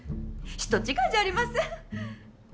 人違いじゃありません？